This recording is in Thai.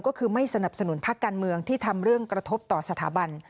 ก็คือไม่สนับสนุนพักการเมืองที่ทำเรื่องกระทบต่อสถาบัน